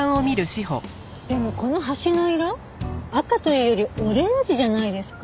でもこの橋の色赤というよりオレンジじゃないですか？